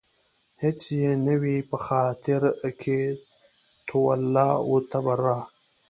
هېڅ يې نه وي په خاطر کې تولاً و تبرا